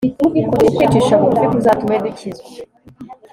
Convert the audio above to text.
ukwicisha bugufi kuzatume dukizwa